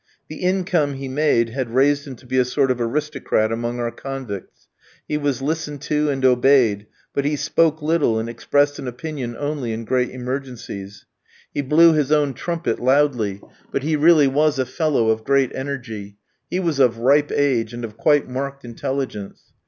The income he made had raised him to be a sort of aristocrat among our convicts; he was listened to and obeyed, but he spoke little, and expressed an opinion only in great emergencies. He blew his own trumpet loudly, but he really was a fellow of great energy; he was of ripe age, and of quite marked intelligence.